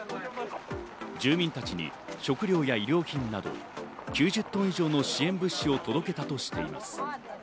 住民たちに食料や衣料品など９０トン以上の支援物資を届けたとしています。